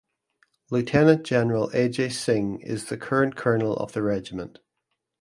Lieutenant General Ajai Singh is the current Colonel of the Regiment.